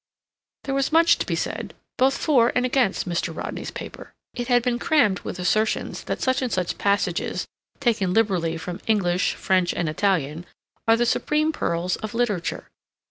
There was much to be said both for and against Mr. Rodney's paper. It had been crammed with assertions that such and such passages, taken liberally from English, French, and Italian, are the supreme pearls of literature.